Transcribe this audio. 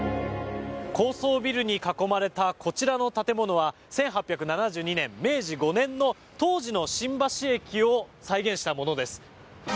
高層ビルに囲まれたこちらの建物は１８７２年、明治５年当時の新橋駅を再現したものです。